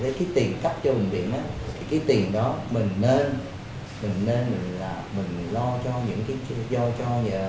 tại vì cái tiền cắp cho bệnh viện cái tiền đó mình nên mình nên là mình lo cho những cái do cho